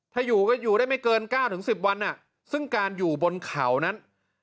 ถ้าอยู่ก็อยู่ได้ไม่เกิน๙๑๐วันซึ่งการอยู่บนเขานั้น